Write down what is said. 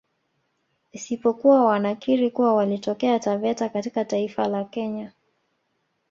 Isipokuwa wanakiri kuwa walitokea Taveta katika taifa la Kenya